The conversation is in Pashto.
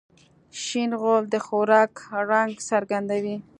شین غول د خوراک رنګ څرګندوي.